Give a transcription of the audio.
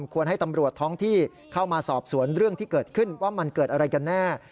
ควรให้ตำรวจท้องที่เข้ามาสอบสวนเรื่องที่เกิดขึ้นว่ามันเกิดอะไรกันแน่